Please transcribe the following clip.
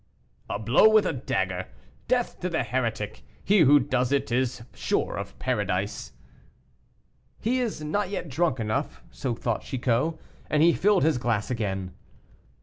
"A blow with a dagger. Death to the heretic. He who does it is sure of Paradise." "He is not yet drunk enough;" so thought Chicot; and he filled his glass again.